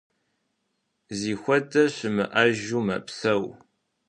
Зихуэдэ щымыӏэжу мэпсэу.